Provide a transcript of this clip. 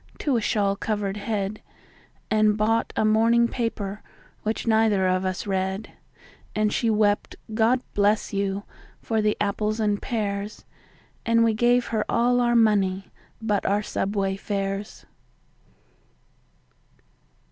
to a shawl covered head, And bought a morning paper, which neither of us read; And she wept, "God bless you!" for the apples and pears, And we gave her all our money but our subway fares.